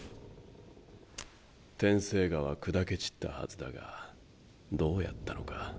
天生牙は砕け散ったはずだがどうやったのか。